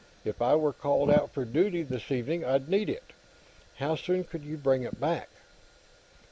If I were called out for duty, this evening, I'd need it. How soon could you bring it back?"